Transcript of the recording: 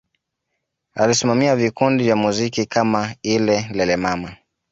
Alisimamia vikundi vya muziki kama ile Lelemama